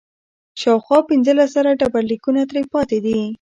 شاوخوا پنځلس زره ډبرلیکونه ترې پاتې دي